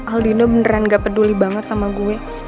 aldino beneran gak peduli banget sama gue